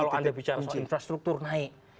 kalau anda bicara soal infrastruktur naik